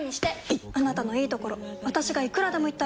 いっあなたのいいところ私がいくらでも言ってあげる！